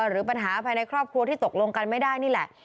หรือปัญหาภายในครอบครัวที่ตกลงกันไม่ได้นี่แหละ